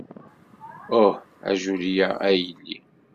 Uh, a Julia, a yelli!